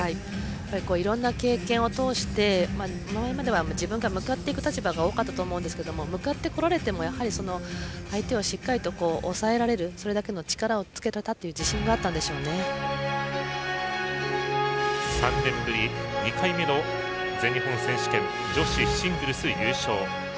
いろんな経験を通して今までは自分が向かっていく立場が多かったと思うんですが向かってこられても相手をしっかりと抑えられるそれだけの力をつけてきたという３年ぶり２回目の全日本選手権女子シングルス優勝。